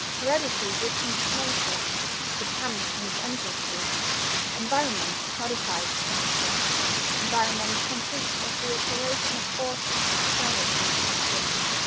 Heredity gives him his nature. That comes from his ancestors. Environment modifies his nature: environment consists of the operation of forces external to his nature.